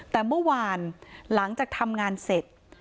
แต่เมื่อวานหลังจากทำงานเสร็จ